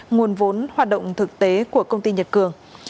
nguồn vốn hoạt động thực tế của công ty nhật cường